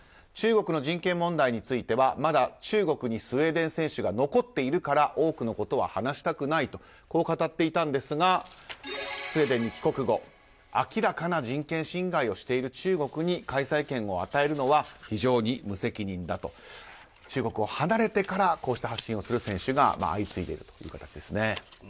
中国の人権問題についてはまだ中国にスウェーデン選手が残っているから多くのことは話したくないとこう語っていたんですがスウェーデンに帰国後明らかな人権侵害をしている中国に開催権を与えるのは非常に無責任だと中国を離れてからこうした発信をする選手が相次いでいるという形です。